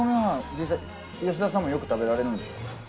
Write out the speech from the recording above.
実際吉田さんもよく食べられるんですか？